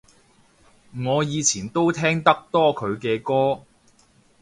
我以前都聽得多佢嘅歌